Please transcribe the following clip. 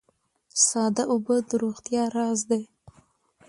ساده اوبه د روغتیا راز دي